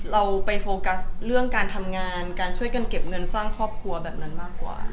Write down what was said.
เราไปโฟกัสเรื่องการทำงานการช่วยกันเก็บเงินสร้างครอบครัวแบบนั้นมากกว่า